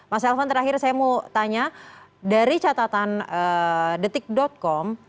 mas elvan terakhir saya mau tanya dari catatan detik com